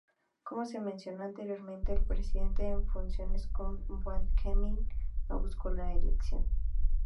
Como se menciono anteriormente el presidente en funciones Kurt Waldheim no busco la reelección.